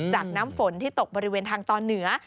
น้ำฝนที่ตกบริเวณทางตอนเหนือ